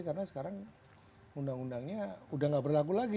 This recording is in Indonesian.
karena sekarang undang undangnya udah gak berlaku lagi